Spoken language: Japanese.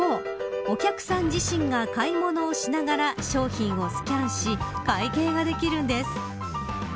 お客さん自身がお買い物をしながら商品をスキャンし会計ができるんです。